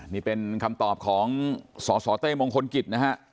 นี่เป็นคำตอบของสสเต้มงคลกิจนะฮะ